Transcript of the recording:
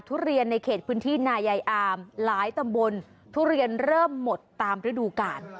ทุเรียนในเขตพื้นที่นายายอามหลายตำบลทุเรียนเริ่มหมดตามฤดูกาล